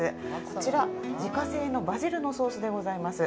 こちら、自家製のバジルのソースでございます。